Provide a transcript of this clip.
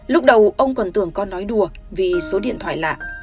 lúc đầu ông còn tưởng con nói đùa vì số điện thoại lạ